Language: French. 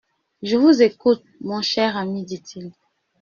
Je vous écoute, mon cher ami, dit-il.